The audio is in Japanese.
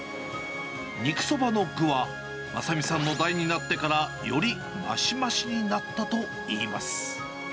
肉そばの具は、正巳さんの代になってから、より増し増しになったといいます。